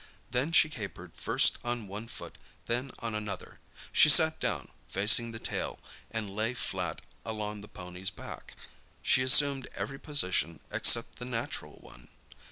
Then she capered first on one foot, then on another; she sat down, facing the tail, and lay flat along the pony's back; she assumed every position except the natural one.